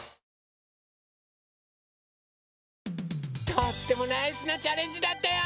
とってもナイスなチャレンジだったよ！